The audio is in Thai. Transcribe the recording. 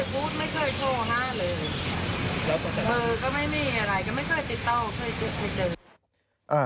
ก็งงไปเกี่ยวอะไรแล้วก็บอกเขาว่าอย่างนี้ใช่บ้าง